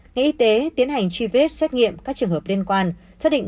nghệ y tế tiến hành truy vết xét nghiệm các trường hợp liên quan xác định một mươi một f một